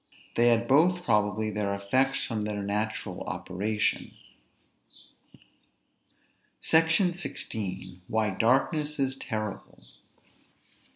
They had both probably their effects from their natural operation. SECTION XVI. WHY DARKNESS IS TERRIBLE.